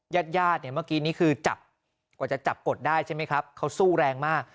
ญาติญาติเนี่ยเมื่อกี้นี้คือจับกว่าจะจับกดได้ใช่ไหมครับเขาสู้แรงมาก